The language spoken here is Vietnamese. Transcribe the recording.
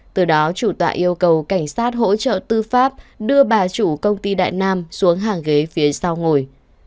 từ đó chủ tọa yêu cầu cảnh sát hỗ trợ tư pháp đưa bà chủ công ty đại nam xuống hàng ghế phía sau ngồi